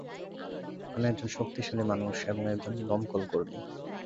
আমি একজন শক্তিশালী মানুষ এবং একজন দমকল কর্মী।